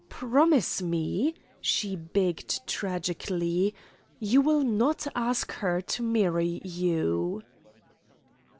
Promise me," she begged tragically, "you will not ask her to marry you."